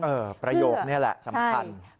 ประโยคนี้แหละสำคัญ